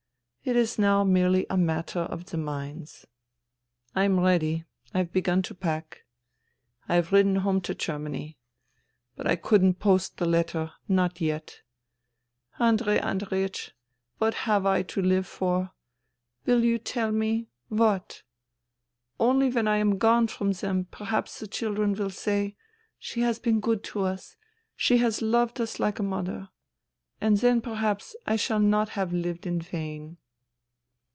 It is now merely a matter of the mines. I am ready. I have begun to pack. I have written home to Germany. But I couldn't post the letter. Not yet. ... Andrei Andreiech: what have I to live for ? Will you tell me : what ?... Only when I am gone from them perhaps the children will say :' She has been good to us. She has loved us like a mother '... and then, perhaps, I shall not have lived in vain.